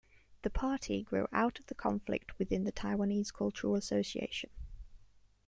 The party grew out of the conflict within the Taiwanese Cultural Association.